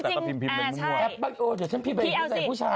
แต่ต้องพิมพ์แบบมั่วถือจริงใช่